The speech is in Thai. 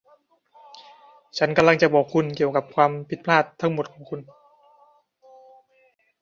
ฉันกำลังจะบอกคุณเกี่ยวกับความผิดพลาดทั้งหมดของคุณ